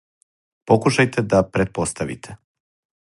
Покушајте да претпоставите.